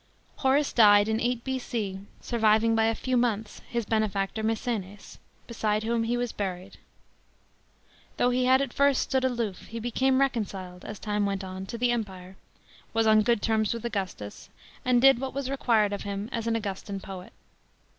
Horace died in 8 B.C., surviving by a few months his benefactor Maecenas, beside whom he was buried. Though he had at first stood aloof, he became reconciled, as time went on, to the Empire, was on good terms with Augustus, and did what was required of him as an Augustan poet.